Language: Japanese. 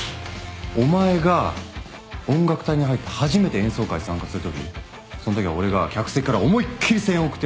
お前が音楽隊に入って初めて演奏会参加するときそんときは俺が客席から思いっ切り声援送ってやるからな。